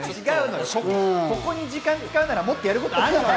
ここに時間を使うならもっとやることあるのよ。